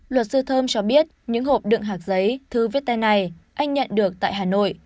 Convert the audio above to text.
luật sư thơm cho biết những hộp đựng hạc giấy thư viết tay này anh nhận được tại hà nội